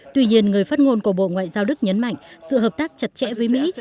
tuy nhiên người phát ngôn của bộ ngoại giao đức nhấn mạnh sự hợp tác chặt chẽ với mỹ